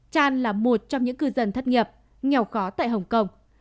chan là một trong những cư dân thất nghiệp nghèo khó tại hồng kông